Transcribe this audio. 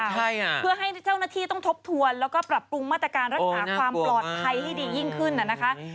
ให้อ่ะเพื่อให้เจ้าหน้าที่ต้องทบทวนแล้วก็ปรับปรุงมาตรการรักษาความปลอดภัยให้ดียิ่งขึ้นน่ะนะคะ